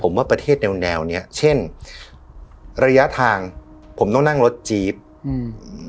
ผมว่าประเทศแนวแนวเนี้ยเช่นระยะทางผมต้องนั่งรถจี๊บอืม